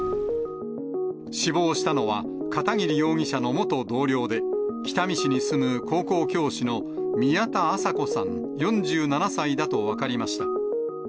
死亡したのは、片桐容疑者の元同僚で、北見市に住む高校教師の宮田麻子さん４７歳だと分かりました。